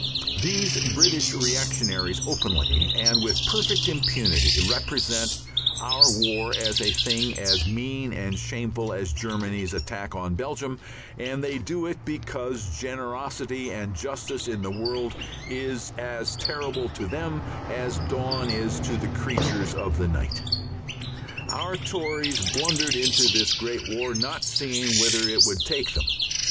These British reactionaries openly, and with perfect impunity, represent our war as a thing as mean and shameful as Germany's attack on Belgium, and they do it because generosity and justice in the world is as terrible to them as dawn is to the creatures of the night. Our Tories blundered into this great war, not seeing whither it would take them.